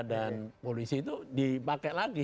dan polisi itu dipakai lagi